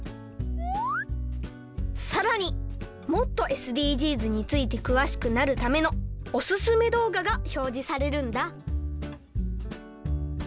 さらにもっとＳＤＧｓについてくわしくなるためのおすすめどうががひょうじされるんだ。